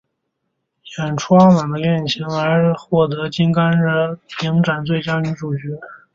演出阿满的恋情而获得金甘蔗影展最佳女主角。